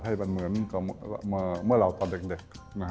ให้เหมือนเมื่อเราตอนเด็ก